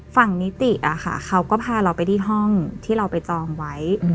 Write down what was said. นิติอะค่ะเขาก็พาเราไปที่ห้องที่เราไปจองไว้